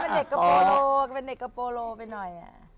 เลยเป็นเด็กกอโปโรไปหน่อย